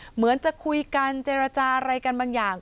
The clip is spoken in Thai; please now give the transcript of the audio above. เหมือนจะคุยกันเจรจาอะไรกันบางอย่าง